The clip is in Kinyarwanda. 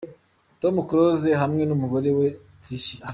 Tom Close hamwe n'umugore we Tricia.